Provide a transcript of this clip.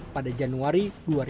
pada januari dua ribu lima belas